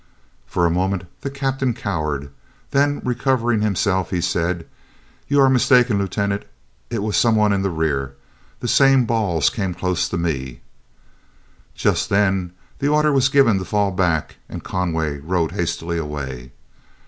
For a moment the Captain cowered, then recovering himself, he said: "You are mistaken, Lieutenant; it was some one in the rear. The same balls came close to me." Just then the order was given to fall back, and Conway rode hastily away.